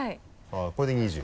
これで２０。